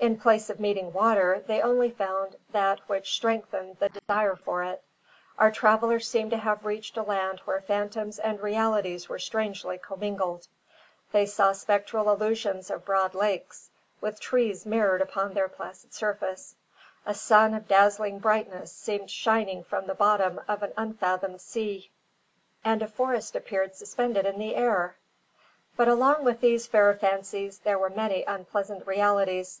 In place of meeting water, they only found that which strengthened the desire for it. Our travellers seemed to have reached a land where phantoms and realities were strangely commingled. They saw spectral illusions of broad lakes, with trees mirrored upon their placid surface. A sun of dazzling brightness seemed shining from the bottom of an unfathomed sea, and a forest appeared suspended in the air! But along with these fair fancies there were many unpleasant realities.